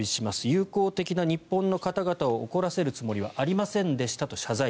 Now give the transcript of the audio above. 友好的な日本の方々を怒らせるつもりはありませんでしたと謝罪。